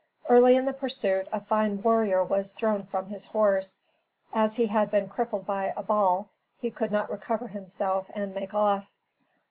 Early in the pursuit, a fine warrior was thrown from his horse. As he had been crippled by a ball, he could not recover himself and make off.